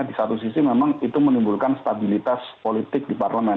di satu sisi memang itu menimbulkan stabilitas politik di parlemen